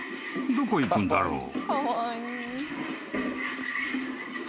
どこ行くんだろう？］